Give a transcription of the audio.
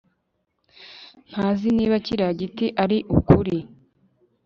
Ntazi niba kiriya giti ari ukuri